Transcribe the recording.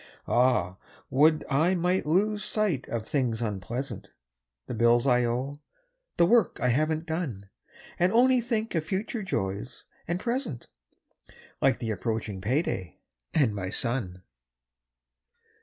Ah, would I might lose sight of things unpleasant: The bills I owe; the work I haven't done. And only think of future joys and present, Like the approaching payday, and my son.